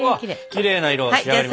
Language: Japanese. きれいな色に仕上がりました。